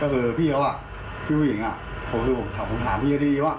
ก็คือพี่เขาอ่ะพี่ผู้หญิงอ่ะผมถามพี่ดีว่า